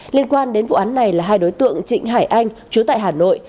liên quan đến vụ án này là hai đối tượng trịnh hải anh chú tại hà nội